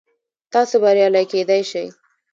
تاسو بریالي کیدی شئ